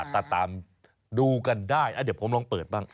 ก็ตามดูกันได้เดี๋ยวผมลองเปิดบ้าง